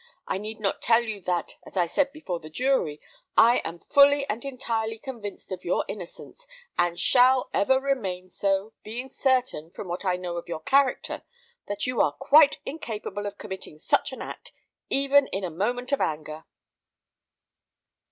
I need not tell you that, as I said before the jury, I am fully and entirely convinced of your innocence, and shall ever remain so, being certain, from what I know of your character, that you are quite incapable of committing such an act, even in a moment of anger."